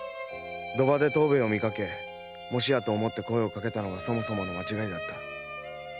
賭場で藤兵衛を見かけもしやと思って声をかけたのがそもそもの間違いだった」